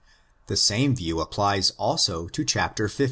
The same view applies also to chapter xv.